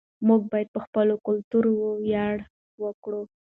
موږ باید په خپل کلتور ویاړ وکړو.